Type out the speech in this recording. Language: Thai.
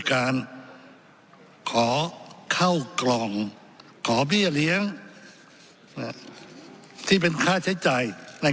การขอเข้ากล่องขอเบี้ยเลี้ยงที่เป็นค่าใช้จ่าย